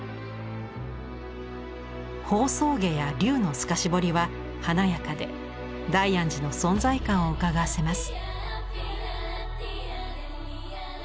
宝相華や竜の透かし彫りは華やかで大安寺の存在感をうかがわせます。